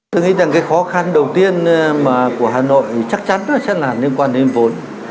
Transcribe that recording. tôi nghĩ rằng cái khó khăn đầu tiên mà của hà nội chắc chắn sẽ là liên quan đến vốn